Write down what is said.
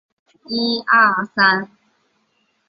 世界开始恢复和平。